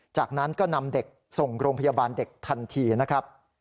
จากนั้นก็นำเด็กส่งโรงพยาบาลเด็กทันทีนะครับ